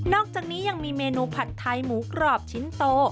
อกจากนี้ยังมีเมนูผัดไทยหมูกรอบชิ้นโต